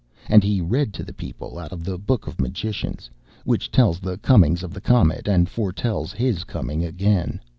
And he read to the people out of the Book of Magicians, which tells the comings of the comet and foretells his coming again.